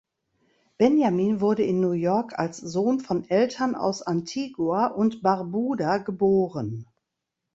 Benjamin wurde in New York als Sohn von Eltern aus Antigua und Barbuda geboren.